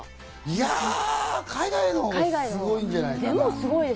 いや、海外のほうがすごいんじゃないかな。